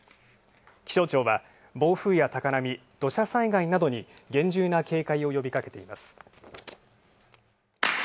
気象庁は、暴風や高波、土砂災害などに厳重な警戒を呼びかけています。